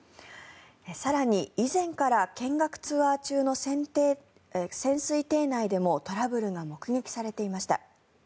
更に、以前から見学ツアー中の潜水艇内でもトラブルが目撃されていました。